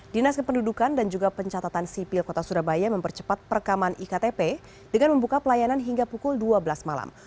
dinas kependudukan dan juga pencatatan sipil kota surabaya mempercepat perekaman iktp dengan membuka pelayanan hingga pukul dua belas malam